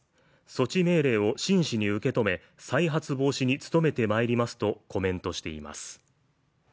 措置命令を真摯に受け止め、再発防止に努めてまいりますとコメントしています。